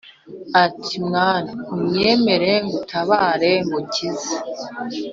ati mwana unyemere ngutabare ngukize